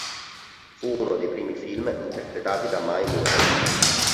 Fu uno dei primi film interpretati da Mae Murray.